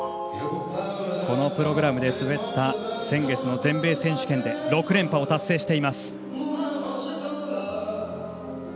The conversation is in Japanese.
このプログラムで滑った先月の全米選手権で６連覇を達成しています。